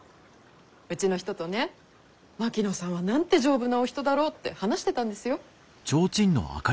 うちの人とね槙野さんはなんて丈夫なお人だろうって話してたんですよ。